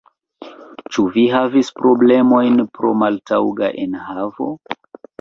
Ĉu vi havis problemojn pro maltaŭga enhavo?